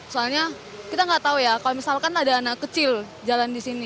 soalnya kita nggak tahu ya kalau misalkan ada anak kecil jalan di sini